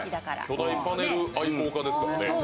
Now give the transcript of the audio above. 巨大パネル愛好家ですからね。